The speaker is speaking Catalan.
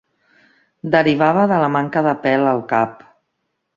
Derivava de la manca de pèl al cap.